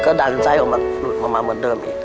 ก็ดันไส้ออกมาหลุดมาเมื่อเดิมอีก